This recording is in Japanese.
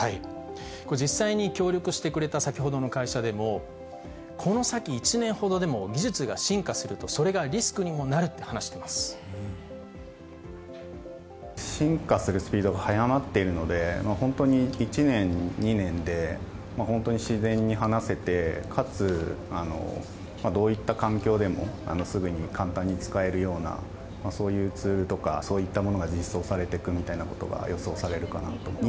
実際に協力してくれた先ほどの会社でも、この先１年ほどでも技術が進化すると、それがリスクにもなるって進化するスピードが早まっているので、本当に１年、２年で、本当に自然に話せて、かつ、どういった環境でもすぐに簡単に使えるような、そういうツールとか、そういったものが実装されてくみたいなことが予想されるかなと思います。